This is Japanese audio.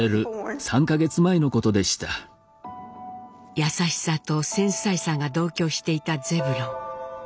優しさと繊細さが同居していたゼブロン。